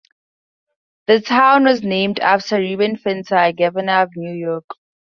The town was named after Reuben Fenton, a governor of New York.